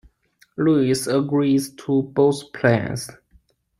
Louise agrees to both plans.